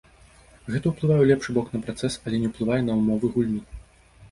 Гэта ўплывае ў лепшы бок на працэс, але не ўплывае на ўмовы гульні.